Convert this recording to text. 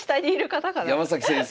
山崎先生。